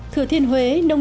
thừa thiên bảo vệ môi trường